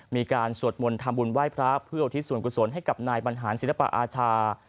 มีการสวดมนต์ทำบุญไหว้พระเพื่ออุทิศส่วนกุศลให้กับนายบรรหารศิลปอาชา